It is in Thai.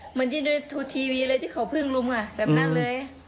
เหมือนที่ดูทูลทีวีเลยที่เขาเพิ่งรุมอะแบบนั้นเลย